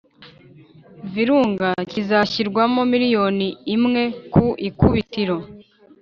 Virunga, kizashyirwamo miliyoni imwe ku ikubitiro.